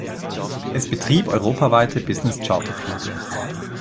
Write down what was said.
Es betrieb europaweite Business-Charterflüge.